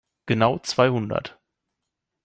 Genau zweihundert.